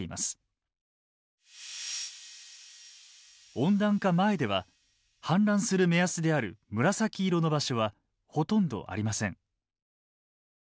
温暖化前では氾濫する目安である紫色の場所はほとんどありません。